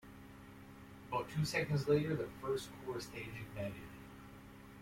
About two seconds later, the first core stage ignited.